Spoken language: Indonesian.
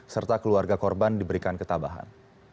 serta keluarga korban diberikan ketabahan